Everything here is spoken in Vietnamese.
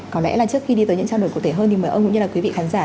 có lẽ trước khi đi tới những trao đổi cụ thể hơn mời ông cũng như quý vị khán giả